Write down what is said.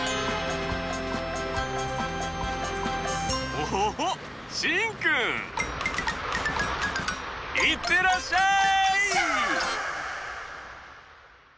おっしんくん！いってらっしゃい！